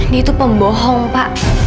dia itu pembohong pak